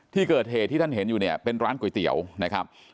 ที่เกิดเหตุที่ท่านเห็นอยู่เนี่ยเป็นร้านก๋วยเตี๋ยวนะครับ